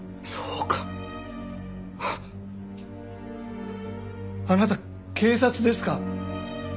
あっあなた警察ですか？